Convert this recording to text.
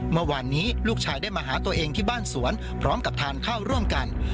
เมื่อวานนี้ลูกชายได้มาหาตัวเองที่บ้านสวนพร้อมกับทานข้าวร่วมกัน